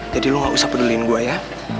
jadi lu gak usah peduliin gua ya